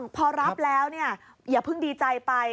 พอรับแล้วอย่าเพิ่งดีใจไป